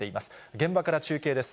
現場から中継です。